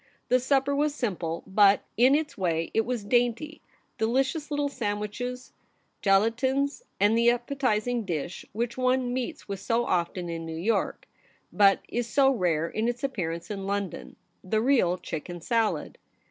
The supper was simple, but, in its way, it was dainty : delicious little sandwiches, galantines, and that appe tizing dish which one meets with so often in New York, but is so rare in its appearance in London — the real chicken salad.